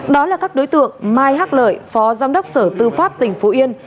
đó là các đối tượng mai hắc lợi phó giám đốc sở tư pháp tỉnh phú yên